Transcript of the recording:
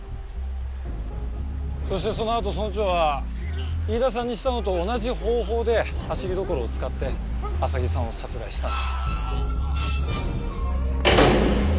そしてそのあと村長は飯田さんにしたのと同じ方法でハシリドコロを使って浅木さんを殺害したんだ。